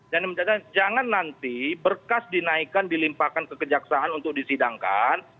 dan menjadikan jangan nanti berkas dinaikkan dilimpahkan ke kejaksaan untuk disidangkan